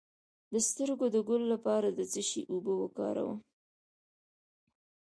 د سترګو د ګل لپاره د څه شي اوبه وکاروم؟